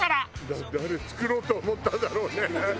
「なんであれ作ろうと思ったんだろうね」